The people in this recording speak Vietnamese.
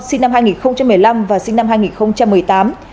sinh năm hai nghìn một mươi năm và sinh năm hai nghìn một mươi tám